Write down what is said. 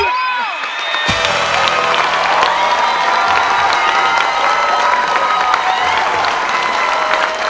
หยุดค่ะ